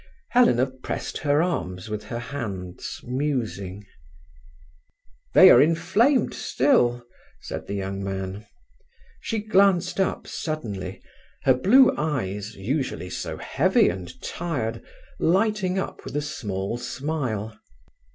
Helena pressed her arms with her hands, musing. "They are inflamed still" said the young man. She glanced up suddenly, her blue eyes, usually so heavy and tired, lighting up with a small smile.